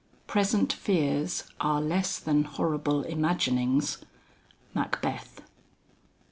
"Present fears Are less than horrible imaginings." MACBETH.